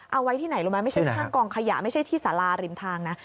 เอาไว้ที่ไหนรู้ไหมไม่ใช่ข้างกองขยะไม่ใช่ที่สาราริมทางนะ